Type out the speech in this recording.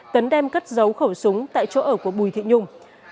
tấn đem cất giấu khẩu súng tại chỗ ở của bùi thị nhung